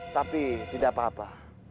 tapi tidak apa apa